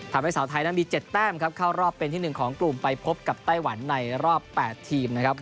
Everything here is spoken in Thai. ทำให้สาวไทยนั้นมี๗แต้มครับเข้ารอบเป็นที่๑ของกลุ่มไปพบกับไต้หวันในรอบ๘ทีมนะครับ